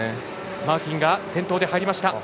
マーティンが先頭で入りました。